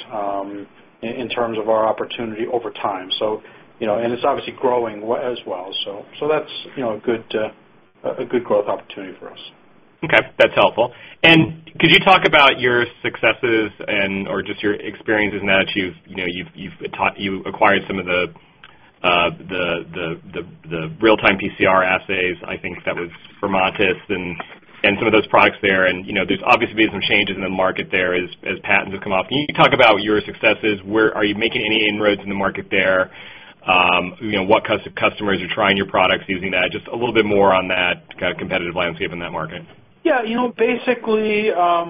in terms of our opportunity over time. It's obviously growing as well. That's a good growth opportunity for us. Okay, that's helpful. Could you talk about your successes and your experiences in that you've acquired some of the real-time PCR assays, I think that was Fermentas and some of those products there. There's obviously been some changes in the market there as patents have come off. Could you talk about your successes? Are you making any inroads in the market there? What customers are trying your products using that? Just a little bit more on that kind of competitive landscape in that market. Yeah, you know, basically,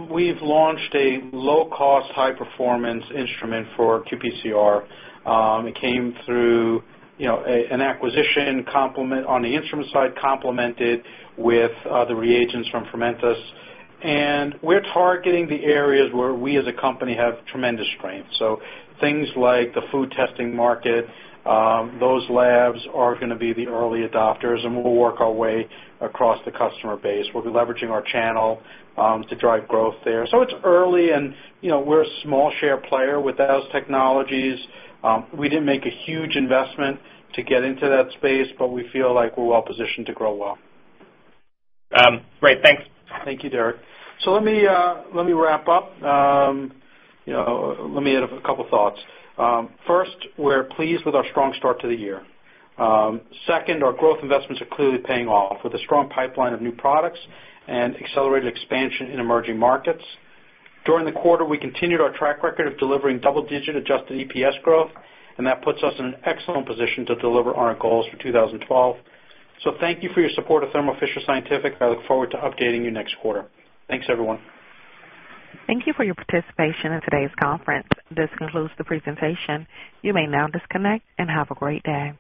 we've launched a low-cost, high-performance instrument for QPCR. It came through an acquisition complement on the instrument side, complemented with the reagents from Fermentas. We're targeting the areas where we as a company have tremendous strength. Things like the food testing market, those labs are going to be the early adopters, and we'll work our way across the customer base. We'll be leveraging our channel to drive growth there. It's early, and we're a small share player with those technologies. We didn't make a huge investment to get into that space, but we feel like we're well positioned to grow well. Great, thanks. Thank you, Derek. Let me wrap up. Let me add a couple of thoughts. First, we're pleased with our strong start to the year. Second, our growth investments are clearly paying off with a strong pipeline of new products and accelerated expansion in emerging markets. During the quarter, we continued our track record of delivering double-digit adjusted EPS growth, and that puts us in an excellent position to deliver on our goals for 2012. Thank you for your support of Thermo Fisher Scientific, and I look forward to updating you next quarter. Thanks, everyone. Thank you for your participation in today's conference. This concludes the presentation. You may now disconnect and have a great day.